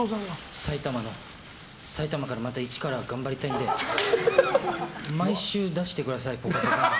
埼玉からまた一から頑張りたいので毎週出してください「ぽかぽか」に。